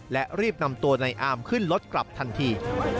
และรีบนำตัวในอาร์มขึ้นรถกลับทันที